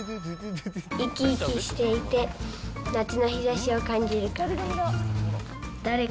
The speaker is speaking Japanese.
生き生きしていて、夏の日ざしを感じるからです。